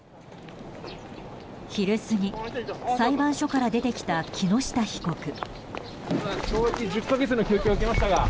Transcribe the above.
昼過ぎ、裁判所から出てきた木下被告。